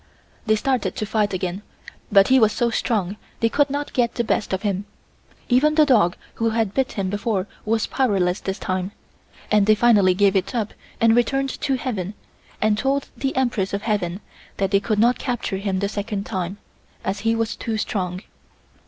They started to fight again, but he was so strong they could not get the best of him. Even the dog who had bit him before was powerless this time, and they finally gave it up and returned to heaven and told the Empress of Heaven that they could not capture him the second time, as he was too strong.